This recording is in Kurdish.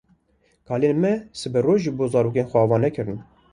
Kalên me siberoj ji bo zarokên xwe ava nekirin.